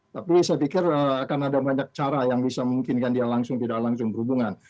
tapi saya pikir akan ada banyak cara yang bisa memungkinkan dia langsung tidak langsung berhubungan